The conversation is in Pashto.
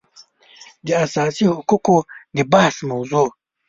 د اساسي حقوقو د بحث موضوع